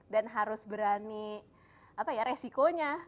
dan harus berani apa ya resikonya